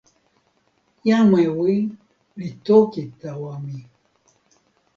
jan Mewi li toki tawa mi.